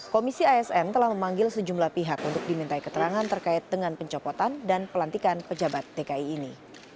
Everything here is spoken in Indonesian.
komisi asn telah memanggil sejumlah pihak untuk dimintai keterangan terkait dengan pencopotan dan pelantikan pejabat dki ini